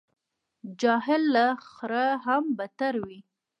جاهل له خره هم بدتر وي.